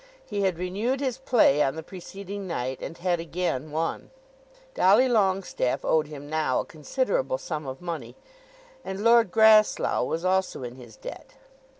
He had renewed his play on the preceding night, and had again won. Dolly Longestaffe owed him now a considerable sum of money, and Lord Grasslough was also in his debt.